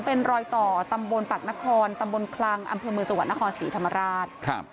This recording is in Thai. เป็นรอยต่อตำบลปักนครตำบลคลังอำเภอเมืองจังหวัดนครศรีธรรมราช